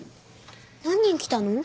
何人来たの？